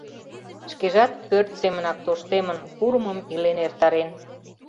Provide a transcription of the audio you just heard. Шкежат пӧрт семынак тоштемын, курымым илен эртарен.